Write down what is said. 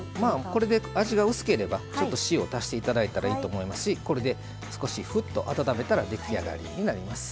これで味が薄ければちょっと塩を足して頂いたらいいと思いますしこれで少し沸騰温めたら出来上がりになります。